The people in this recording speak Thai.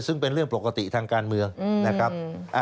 ซึ่งเป็นเรื่องปกติทางการเมืองนะครับ